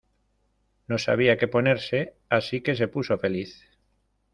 No sabía que ponerse, asi que se puso feliz.